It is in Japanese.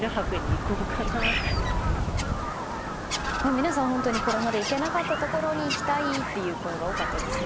皆さんこれまで行けなかったところに行きたいという声が多かったですね。